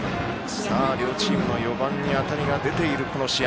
両チームの４番に当たりが出ているこの試合。